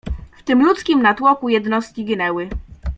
"W tym ludzkim natłoku jednostki ginęły."